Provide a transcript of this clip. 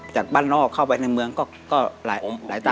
จากบ้านนอกเข้าไปในเมืองก็หลายต่อ